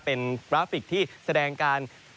เป็นกราฟิกที่แสดงการ